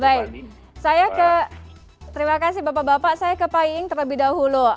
baik saya ke terima kasih bapak bapak saya ke pak iing terlebih dahulu